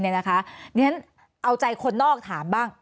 ในทั้งนั้นเอาใจคนนอกถามบ้าง